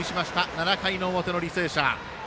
７回の表の履正社。